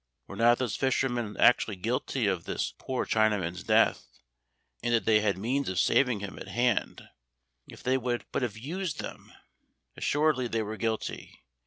Were not those fishermen actually guilty of this poor Chinaman's death, in that they had the means of saving him at hand, if they would but have used them? Assuredly they were guilty.